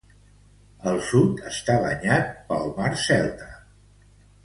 Al sud està banyat pel Mar Celta.